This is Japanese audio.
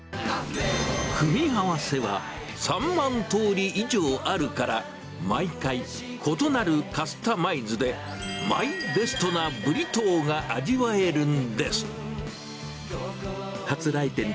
組み合わせは３万とおり以上あるから、毎回異なるカスタマイズで、マイベストなブリトーが味わえるんです。